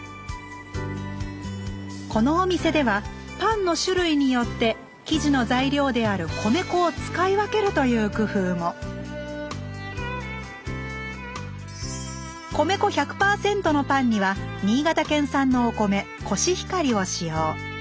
このお店ではパンの種類によって生地の材料である米粉を使い分けるという工夫も米粉１００％のパンには新潟県産のお米「コシヒカリ」を使用。